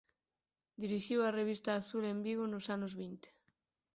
Dirixiu a revista "Azul" en Vigo nos anos vinte.